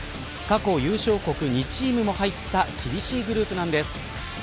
過去優勝国２チームも入った厳しいグループなんです。